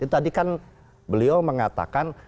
tadi kan beliau mengatakan